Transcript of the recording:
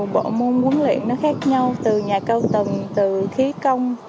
bộ môn huấn luyện nó khác nhau từ nhà câu tầm từ khí công